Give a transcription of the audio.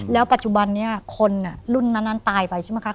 แล้วปัจจุบันนี้คนรุ่นนั้นตายไปใช่ไหมคะ